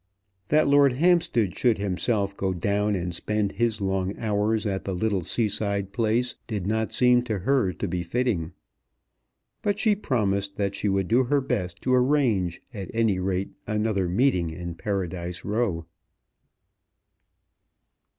That Lord Hampstead should himself go down and spend his long hours at the little seaside place did not seem to her to be fitting. But she promised that she would do her best to arrange at any rate another meeting in Paradise Row.